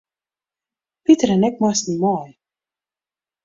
Piter en ik moasten mei.